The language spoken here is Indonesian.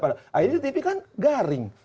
nah ini tv kan garing